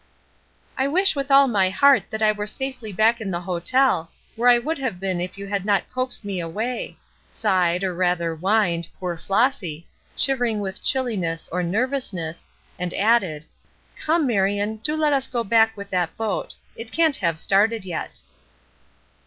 "I wish with all my heart that I were safely back in the hotel, where I would have been if you had not coaxed me away," sighed, or rather whined, poor Flossy, shivering with chilliness or nervousness, and added: "Come, Marion, do let us go back with that boat. It can't have started yet."